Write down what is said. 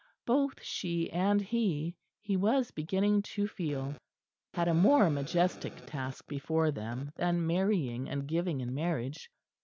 Both she and he, he was beginning to feel, had a more majestic task before them than marrying and giving in marriage.